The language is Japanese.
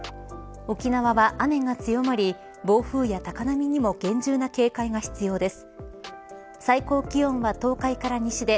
沖縄は雨が強まり暴風や高波にも厳重な警戒が必要です。